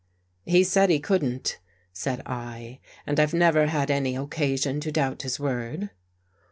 " He said he couldn't," said I, " and I've never had any occasion to doubt his word."